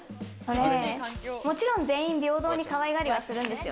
もちろん全員平等に可愛がりはするんですよ。